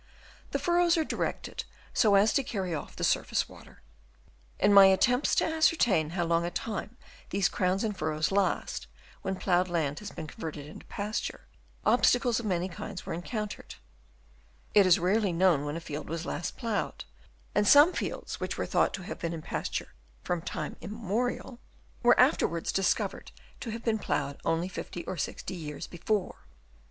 The furrows are directed so as to carry off the surface water. In my attempts to ascertain how long a time these crowns and furrows last, when ploughed land has been converted into' pasture, obstacles of many kinds were encountered. It is rarely known when a field was last ploughed ; and some fields which were thought to have been in pasture from time immemorial were after 296 DENUDATION OF THE LAND. Chap. VI. wards discovered to have been ploughed only 50 or 60 years before.